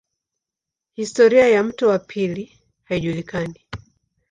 Historia ya mto wa pili haijulikani.